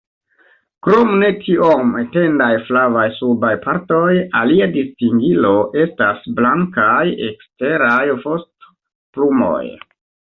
Krom ne tiom etendaj flavaj subaj partoj, alia distingilo estas blankaj eksteraj vostoplumoj.